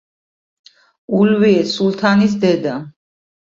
ულვიე სულთნის დედა.